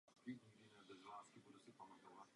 Žijí převážně pod zemí.